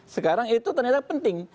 sekarang itu ternyata penting